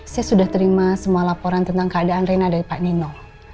saya sudah terima semua laporan tentang keadaan rena dari pak nino